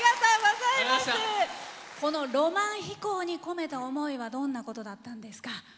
この「浪漫飛行」に込めた思いはどんなことだったんですか？